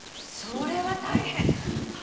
それは大変！